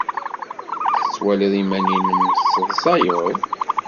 Tettwaliḍ iman-nnem tesseḍsayeḍ?